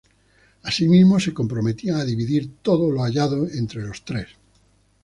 Asimismo, se comprometían a dividir todo lo hallado entre los tres.